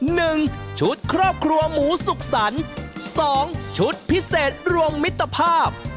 หนึ่งชุดครอบครัวหมูสุขสรรค์สองชุดพิเศษรวมมิตรภาพ